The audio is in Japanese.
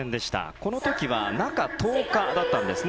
この時は中１０日だったんですね。